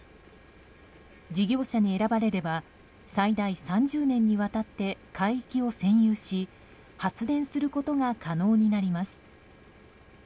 事業者に選ばれれば最大３０年にわたって海域を占有し発電することが可能になります。